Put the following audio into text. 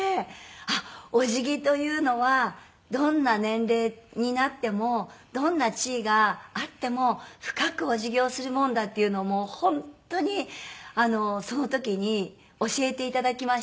あっお辞儀というのはどんな年齢になってもどんな地位があっても深くお辞儀をするもんだっていうのをもう本当にその時に教えていただきまして。